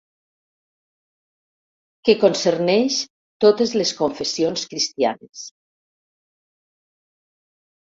Que concerneix totes les confessions cristianes.